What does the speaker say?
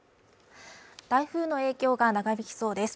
台風の影響が長引きそうです